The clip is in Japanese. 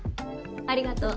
ありがとう。